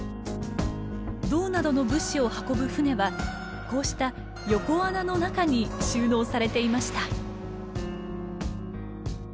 銅などの物資を運ぶ船はこうした横穴の中に収納されていました。